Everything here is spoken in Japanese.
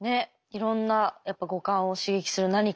いろんなやっぱ五感を刺激する何かが。